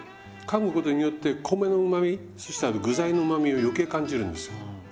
かむことによって米のうまみそしてあの具材のうまみを余計感じるんですよ。